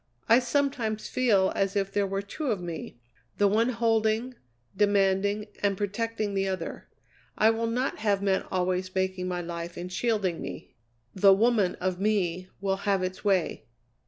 I sometimes feel as if there were two of me, the one holding, demanding, and protecting the other. I will not have men always making my life and shielding me; the woman of me will have its way.